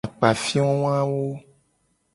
Akpafio wawo.